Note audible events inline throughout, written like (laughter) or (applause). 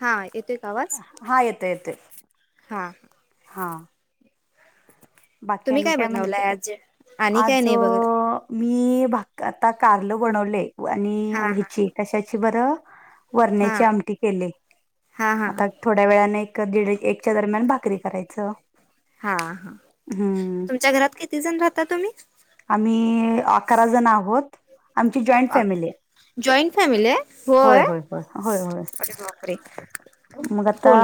हा येतोय का हा येते येते हां हां तुम्ही बाक्यानी काय म्हणते बनवलाय आज आणि काय आज नाही बघा मी आता कारल बनवले आणि हा ह्याची कशाची बरं हा वरण्याची आमटी केले हा हा आता थोड्या वेळाने ीड एकच्या दरम्यान भाकरी करायचं. हा हा हम्म तुमच्या घरात किती जण राहता तुम्ही? आम्ही अकरा जण आहोत आमची जॉईंट फॅमिली हाय जॉईंट फॅमिली आहे होे होय होय मग आता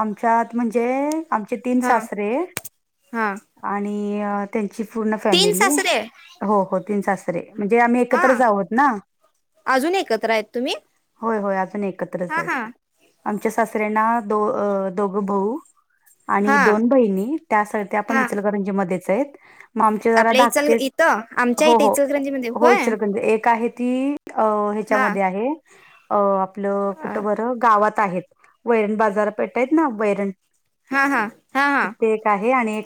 आम च्या म्हणजे आमचे तीन हा सासरे हा आणि त्यां पूर्ण तीन फॅमिली सासरे हो हो तीन सासरे म्हणजे आम्ही हा एकत्र आहोत ना अजून एकत्र आहेत तुम्ही एकत्र हा हा आमच्या सासऱ्यांना दोघ भाऊ हा आणि दोन बहिणी त्यासाठी आपण हा इचलकरंजी मध्येच आहेत मग आम जरा आपल्या इचल धाकते इथं आमच्या हो इथे हो इचलकरंजीमध्ये होय होच एक आहे ती हा ह्याच्यामध्ये आहे अ आपलं हा कुठं बरं गावात आहेत वैरण बाजार पेठायत ना वैरण हा हा हा त तेे एक आहे आणि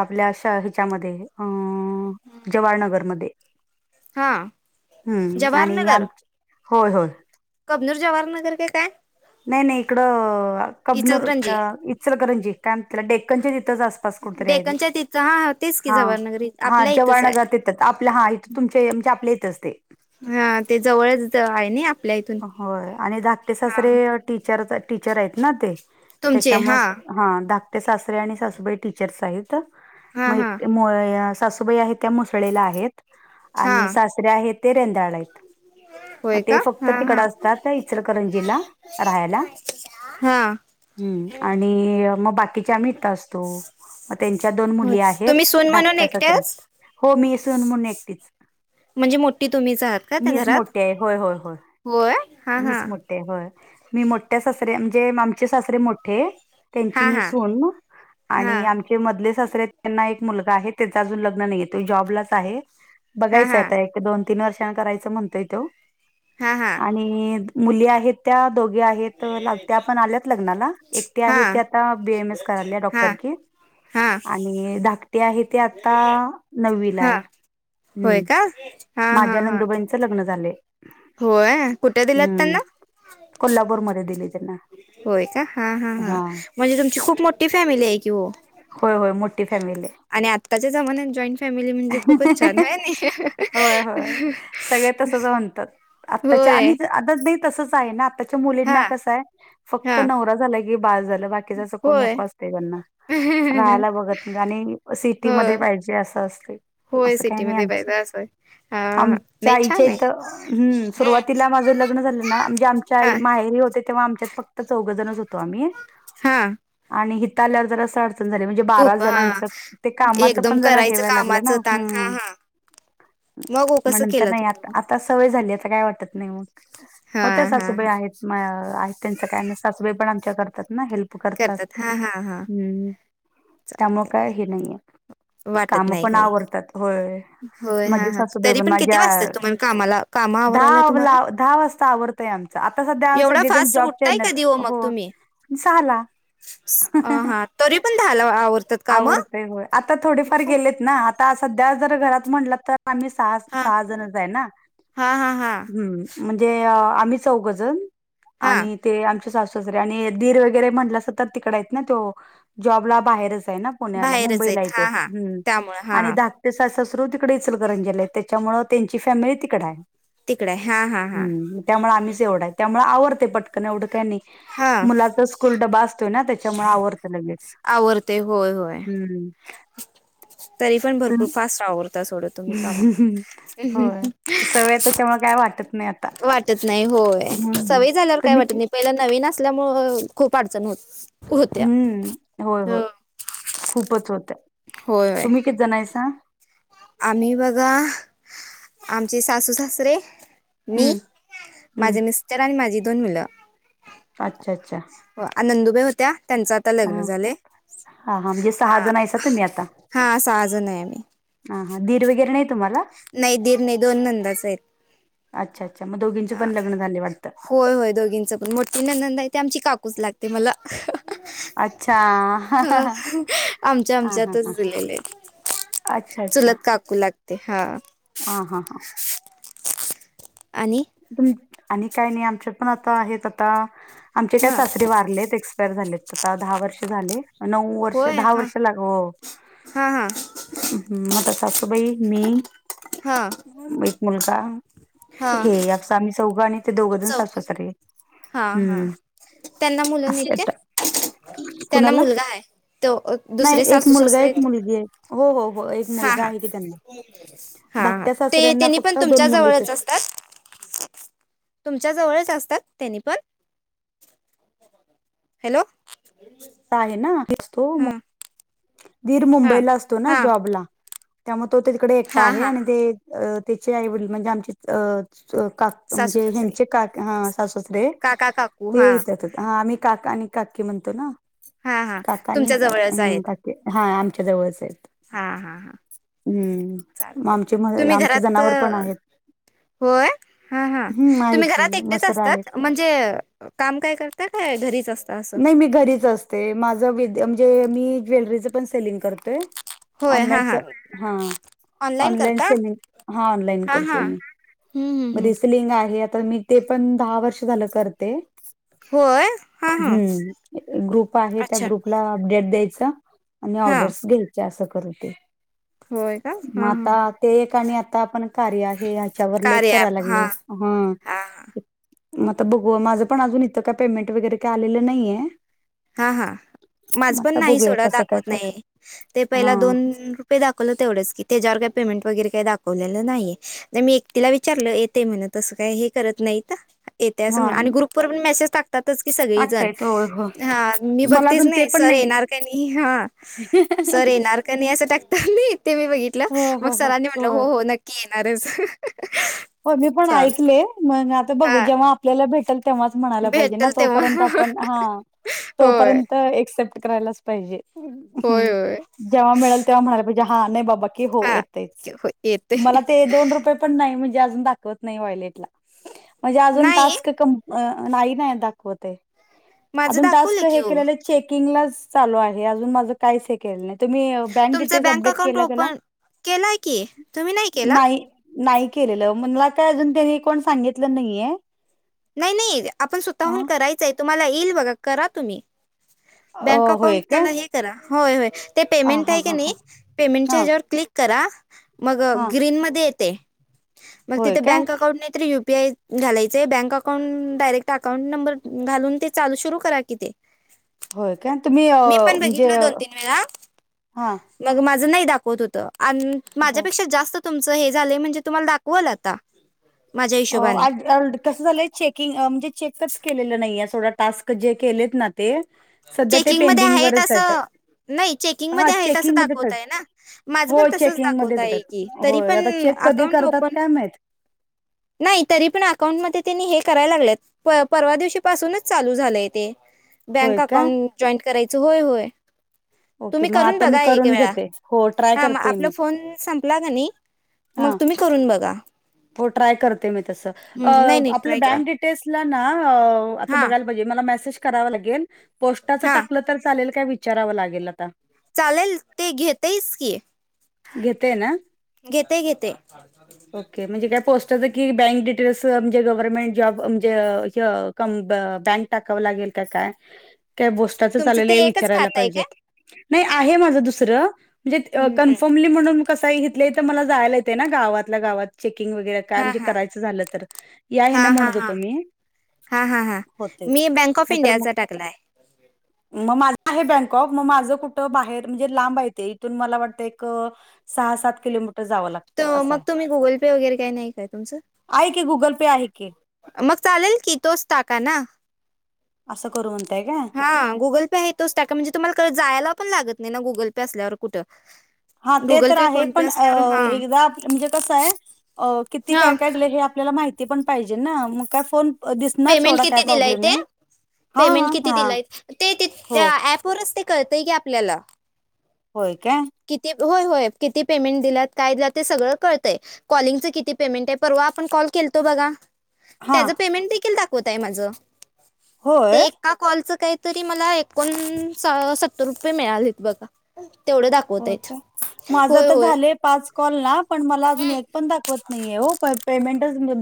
आपल्या हिच्यामध्ये अ जवाहरनगरमध्ये हा हम्म आणि जवाहरनगर आम होय होय अब्नूर जवाहरनगर का काय नाही नाही इकडं कबनूर इचलकरंजी इचलकरंजी कायला डेक्कनच्या ज डेकनच्या तिथं हा हा तेच की जवाहरनगरी आपल्या इथंच आहे. आपले येत असते हा ते जवळच आहे ना आपल्या इथून होय आणि धकटे हा सासरे टीचर टीचर आहेत ना ते त्याच्यामुळे हा ाट सासरे आणि सासूबाई टीचर्स आहेत हा हा सासूबाई आहे त्या मुसळला आहेत हा आणि सासरे आहेत ते रेंदाळ आहेत मग होय का ते फक्त हा तिकड हा असतात इचलकरंजीला राहायला हा हम्म आणि मग बाकीच्या मिठ असतो म त्यांच्या दोन हो मुली आहेत तुम्ही सून म्हणून धाकट्या एकट्याच सखत हो मी असून म्हून एकटीच म्हणजे मोठी तुम्हीच आहात का त्या मीच घरात मोठी आहे होय होय होय होय हा हा मीच मोठी आहे मी मोठ्या सासऱे म्हणजे आमचे सासरे मोठे त्यांची हा मी हा सून हा आणि आमचे मधले एक मु ल् जॉलाच आहे बघाय हा हा तीन वर्षांना करायचं म्हणतोय तो हा हा आणि मुली आहेत त्या दोघ ण आल्या लग्नाला हा एकट आ बीम एस क डॉक्टर हा की हा आणि धाकटे आहे ते आता नववीला आहे हा होय हम्म का हा हा माझ्या हा नंदुबाईंचं लग्न झाले होय कुठे दिलात त्यांना कोल्हापूरमध्ये दिलय त्यांना होय का हा हा हा म्हणजे तुमची खूप मोठी फॅमिली आहे की हो होय होय मोठी फॅमिली आणि आत्ताच्या जमान्यात जॉईंट फॅमिली म्हणजे खूपच छान आहे ना ात आ तसच होय आहे आताच्या हा मुलींना कसंय फक्त हा नव झाला की बा झा बा जस कोण होय नको असते त्यांना राहायला बघत नाही आणि हो सिटीमध्ये पाहिजे असं असते होय असं काही नाही सिटीमध्ये आमच पाहिजे असं आहे. हा हा. आमच्या नाही आईच्या छान आहे इथ् सुरुवातीला माझ ल झाे आमच्या हा माहेरी होते तेव्हा आमच्यात फक्तच ह हा म्हणजे बारा खूप हा जणच ते कामाच एकदम पण जरा करायचं घय लागलं ना कामाचं ताण हा हा मग हो कसं म्हणंतर केलं नाही तुम्ही आता मग आता सवय झाली आता काय वाटत हा हो त्या हा हा सासूबाई आहेत त्यांच काय सासूबाई पण आमच्या करतात ना हेल्प. करतात हा हा हा हम्म. त्यामुळे चालतंय काय हे नाहीये वाटत काम नाही पण काही आवरतात होय. होय हा माझी हा सासूबाई तरी पण किती माझ्या वाजतात तुम्हाला कामाला कामा आवरायला तुम्हाला दहा दहा वाजता आवरते. आमच आता सध्या एवढा सगळे जण फास्ट जॉब उठताय कधी मग हो. तुम्ही साहा ला. स- अं, हा तरी पण दहाला आवरतात काम? होय आता थोडेफार गेलेत ना आता सध्या जर घरात म्हटलं तर. आही स सहा सहा जणच आहे ना, हा हा हा म्हणे आता आम्ही चौघ जण हा आणि ते आमच्या सासू सासरे आणि दीर वगैरे सतत तिकड आहे ना तो, जॉबला बाहेरच. पुण्याला बाहेरच मुंबईला आहेत आहे तो हा हा त्यामुळे हा मी धाकटे सास सासू तिकडेल इचलकरंजीला त्याच्यामुळे त्यांची फॅमिली तिकड आहे. तिकडे आहे. हा हा हा हम् त्यामुळे आम्हीच एवढा आहे त्यामुळे आवरडते पटक. एवढं काही नाही, हा मुलाचा स्कूल डबा असतोय ना त्याच्यामुळे आवर्त लगेच. आवरतंय होय होय, हम्म तरी पण तुम भरपूर फास्ट आह सोड तुम्ही कामा होय सवय त्याच्यामुळे काय वाटत नाही आता वाटत नाही. होय हम्म सवय झाल्यावर काय तुम्ही वाटत कि- नाही पहिला नवीन असल्यामुळ खूप अडचण होत. होत्या हम्म होय हो. होय खूपच होतं होय होय तुम्ही किती जण हाय हाय सा हा आम्ही बघा आमचे सासू सासरे, मी हम्म हम्म माझे मिस्टर आणि माझी दोन मुलं. अच्छा! अच्छा! त्या त्यांच आता हा लग्न झालं. हा हा म्हणजे सहा जण आहेय तुम्ही आता हा सहा जण आहे आम्ही ह दिर वगैरे नाही तुम्हाला? नाही दीर नाही दोन नंदाच आहेत. अच्छा! अच्छा! मग दोघींचे हा पण लग्न झाले वाटतं होय होय दोघींच पण मोठी ननंदय ते आमची काकूच लागते मला. अच्छा हा हा ह हा आमच्या हा हा हा. आमच्यातच दिलेले आहेत. अच्छा अच्छा चुलत काकू लागते हा. हा, हा, हा! आणि त आणि काय नाही आमच्या पण आता आहेत आता आमचे काय हा सासरे वारलेत. एक्सपायर झाले आता दहा वर्ष झाले. नऊ वर्ष होय दहा हा वर्ष लागव हा हा मग तस. बहिण मी हा एक मुलगा. हा! चौघ आणि ते दोघंजण आणि चौघ सासू-सासरे. हा हा हम्म त्यांना मुलं अस नाहीत काय तर त्यांना कोणाला. मुलगा आहे तो अ, दुसरे सासू -सासरे येत हो हो हो एक हा मुलगा ह आहे की त्यांना हा. धाकट्या सासऱ्यांना तेनी पण फक्त तुमच्या दोन मुलीच जवळच असतात, तुमच्या जवळ असतात त्यांनी पण हॅलो! आहे ना हां धीर हां मुंबईला असतो ना हां जॉबला. त्यामुळे तो ते तिकडे एकटा हां आहे हां आणि ते त्याचे आईवडील म्हणजे आमची अ का सासू म्हणजे सासरे हचे का साससरे काका काकू ते हां आम्ही का काका आणि काकी म्हणतो ना, हां हां काका आणि तुमच्या का जवळच ह आहेत काकी हा आमच्या जवळच आहे. हां हां हां हम्म म चालते आमचे तुम्ही आमचे घरात जनावर पण आहेत. होय हा हा हम्म आहे तुम्ही की घरात एकटेच मस्त आहेत असतात? म्हणजे काम काय करता? घरीच असते नाही मी घरीच असते माझ वि द् म्हणजे मी ज्वेलरीच पण सेलिंग करतोय. होय ऑनलाईन हां च हां हा ऑनलाईन सेमी मी हा ऑनलाईन हां करते हां मी. म रे स्लिंग आहे आता मी ते पण दहा वर्ष झालं करते. होय हां हां हुम्म ग्रुप आहे त्या अच्छा ग्रुपला अपडेट द्यायचं आणि हां ऑर्डर्स घ्यायचे अस करते होय का मग हां आता हां ते एक आणि आ आता आपण कार्य ह्याच्यावर लेख कार्य करायला ॲप हां लागले ह हां हां म आता बघू माझं पण अजून इथं काय पेमेंट वगैरे काय आलेलं नाहीये हा हा मग माझ पण आता नाही बघूया सोडा कसं काय दाखवत काय नाही ते हा पहिला दोन रुपये दाखवलं तेवढच की त्याच्यावर पेंमेट वेगैरे का दा वलेलं नाहीये तर मी एकटीला विचारलं येते म्हण तसं काय हे करत नाहीत येते असं हा म्ह आणि ग्रुप वर पण मेसेज टाकतातच की टाकता सगळीजण येत होय हो हा मी मला बघतेच अजून न ते ई पण सर नाही येणार का नाही हा सर येणार का नाही असं टाकते हंं मी ते बघितलं हो च मग हो हो सरांनी म्हटलं हो होय हो नक्की येणारच हो मी पण चाल ऐकले मग आता हा बघू जेव्हा आपल्याला भेट तेव्हा म्हणायला पायझे ना भेटेल तोपर्यंत तेव्हा आपण हा होय तोपर्य एस्टेट करायाल च पाहीजे हु होय होय जेव्हा मीळल तेव्हा म्हणायला पाहीजे हां बाबा की हो हा एतयच होय येते मला ते दोन रूपये नाही मी अर्जुन दाखवत नाही वायेटला म्हणजे आजुन नाही टास्क क नाही नाही दाखवत माझं अजुन टास्क दाखवलं की हे के हो लेले चेकिंगला च चालु आहे अजुन माझ काही हे केलं नाहीत तुम्ही बँक तुमचं डिटेल्स अपडेट अकाउंट केला त्याला ओपन केलाय की तुम्ही केला नाही. नाही केलेलं मला आता अजुन त्यांनी कोण सांगितलं नाहीेये नाही नाही आपण स्वतःहून करायचंय तुम्हाला येईल बघा करा तुम्ही. अ, बँक होय अकाउंट काय त्याला हे करा होय होय ते हा पेमेंट हा आहे का हा नाही हा पेमेंटच्या हा ह्याच्यावर क्लिक करा. मग हा ग्रीन मध्ये येते मग होय तिथे काय बँक अकाउंट नाही तर यु पी आय घालायचय bank account direct account number घालुन ते चालू सुरू करा की ते होय काय तुम्ही अ, मी पण म्हणजे बघितल दोन -तीन वेळा हा मग माझ न ई दाखवत होत बर माझ्यापेक्षा जास्त तुमच हे झालं म्हणजे तुम्हाला दाखवाल आता माझ्या अं हिशोबाने आज कस झालंय चेकिंग म्हणजे चेकच केलेलं नाही. या सोडा टास्क जे केलेत ना ते सध्या ते चेकिंग मध्ये पेंडिंग वरच आहेत असं नाही चेकिंग हा मध्ये आहेत चेकंगी असं मध्ये च दाखवत हायत आहे ना माझं पण हो तसंच चेंगीग दाखवत मध्यमे आहे की येत्यात तरी होय आता पण चे कधी अकाउंट करतात ओपन काय माहीत (inaudible) नाही तरी पण अकाउंटमध्येध्ये त्यांनी हे करायला लागले प- परवा दिवशी पासुनच चालु झालंय ते- होय बँक काय? अकाउंट जॉईंट करायचं होय होय ओके. तुम्ही मग करून आता मी बघा एक करून वेळा घेते. हो, ट्राय हा मग करते आपला मी. फोन संपला कणी मग हां, तुम्ही करून बघा. हो ट्राय करते मी तस हम्म, नाही अं नाही आपल्या ट्राय करा बँक डिटेल्सला ना हो आता हां बघायला पाहीजे मला मॅसेज कराव लागेल पोस्टा च हां टाकल तर चालेल काय विचारावं लागेल आता चालेल ते घेतय च की. घेतेय ना. घेतय घेतय ओके म्हणजे काय पोस्टा की बँक डिटेल्स म्हणजे गव्हर्नमेंट जॉब म्हणजे ज-ज कम बँक टाकावं लागेल त्यात का का बोस्टा च तुमचं चाले ते ल एकच विचारायला खात आहे पाहिज का नाही आहे माझ दुसरं म्हणजे अं हां कन्फर्मली म्हणून कसं हीतल्या इथलं मला जायला येते ना गावातल्या गावात. ते वैगारा काम हां करायचं झालं तर या ह्यांना म्हणत होतो मी हा हा हां होतंय. मी बँक ऑफ नाहीतर मग इंडियाचा टाकलाय मग माझ आहे बँकॉक मग माझं कुठं बाहेर म्हणजे लांब येते इथून मला वाटतं एक सहा सात किोमीटर तर मग तुम्ही गुगल पे वगैरे काही नाही काय तुमचं आहे की गुगल पे आहे की मग चालेल की तोच टाका ना. असं करू म्हणताय काय? हा गुगल पे येतोच ट म्हणजे तुम्हाला जायला पण लागत. नाही ना गुगल पे असल्यावर कुठं हा ते गुगल तर पे, आहे फोन पे पण असल्यावर हां. म्हणजे कसय किती काय हां, काय हे आपल्याला माहिती पण पाहिजे ना मग काय फोन. दिसणार पेमेंट थोडा काय किती दिलाय प्रॉब्लेम ते? नाही. हा पेमेंट हा किती हा दिलाय ते हो ऍपवरच ते कळतय की आपल्याला होय का. किती होय होय किती पेमेंट दिलात काय ते सगळं कळंय कलिंगचं किती पेमेंट आहे परवा आपण कॉल खलतो बघा. हा त्या पेमें दावत मा होय क का तरी मला एकोण सत्तर रुपये मिळालेत बघा तेवढे दाखवत हो आहेत का माझा होय तर होय झाले पाच कॉल ना पण मला अजून एक पण दाखवत नाहीेण पेमेंट द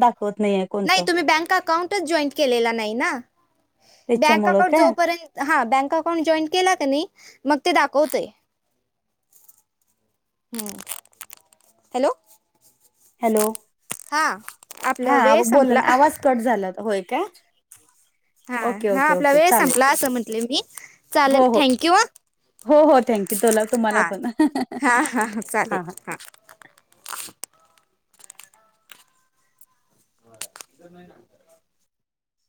नाही तुम्ही बँक अकाउंटच जॉईंट केलेला नाही ना बँक त्याच्यामुळं अकाउंट काय जोपर्यंत हा बँक अकाउंट जॉईन केला का नाही मग ते दाखवतेय हम् हॅलो हॅलो हां हा आपला वेळ बला संपला ना आवाज कट झाला होय का हा हा आपला वेळ संपला असं म्हंटले मी चालेल हो हो थँंक यू ह हो हो थँक्यू तुला हा तुम्हाला पण हा हा चालेल हा (inaudible) ह नाही